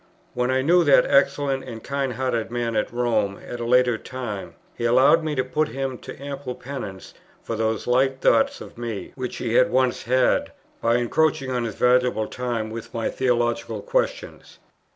When I knew that excellent and kind hearted man at Rome at a later time, he allowed me to put him to ample penance for those light thoughts of me, which he had once had, by encroaching on his valuable time with my theological questions.